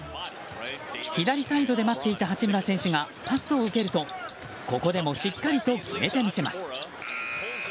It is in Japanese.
左サイドで待っていた八村選手がパスを受けるとここでもしっかりと決めて見せます。